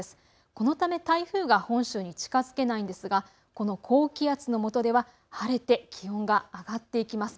このため台風が本州に近づけないんですがこの高気圧のもとでは晴れて気温が上がっていきます。